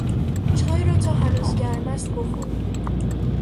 چای را تا هنوز گرم است بخور.